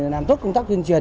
làm tốt công tác tuyên truyền